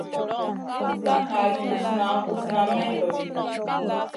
Kuɗ ka ŋal usna usna may lodi.